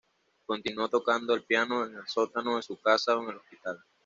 Continuó tocando el piano en el sótano de su casa o en el hospital.